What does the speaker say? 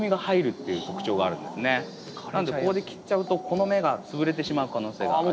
なのでここで切っちゃうとこの芽が潰れてしまう可能性がある。